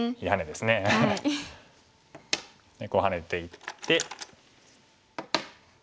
でこうハネていって。